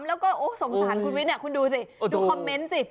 แล้วก็โอ้สงสารคุณวิทย์คุณดูสิดูคอมเมนต์สิ